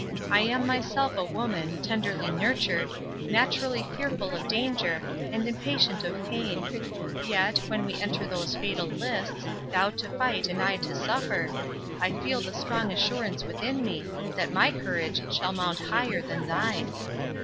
I am myself a woman, tenderly nurtured, naturally fearful of danger, and impatient of pain—yet, when we enter those fatal lists, thou to fight and I to suffer, I feel the strong assurance within me, that my courage shall mount higher than thine.